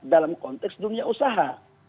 dalam konteks dunia usaha